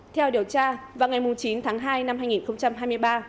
theo điều tra vào ngày chín tháng hai năm hai nghìn hai mươi ba